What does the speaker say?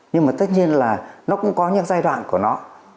nhưng mà tất nhiên là nó cũng có những giai đoạn của nó